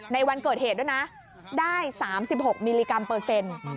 วันเกิดเหตุด้วยนะได้๓๖มิลลิกรัมเปอร์เซ็นต์